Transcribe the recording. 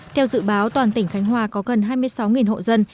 theo dự báo toàn tỉnh khánh hòa có gần hai mươi sáu hộ dân